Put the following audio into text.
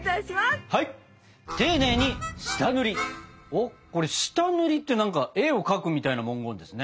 おっ下塗りって何か絵を描くみたいな文言ですね。